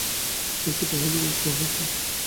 শশী বাহিরে গিয়া একটু বসে।